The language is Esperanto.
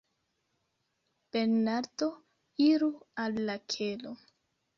Bernardo: Iru al la kelo.